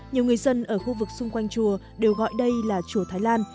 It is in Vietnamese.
nhiều người dân ở khu vực xung quanh chùa đều gọi đây là chùa thái lan